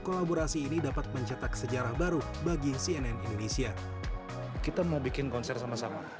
kolaborasi ini dapat mencetak sejarah baru bagi cnn indonesia kita mau bikin konser sama sama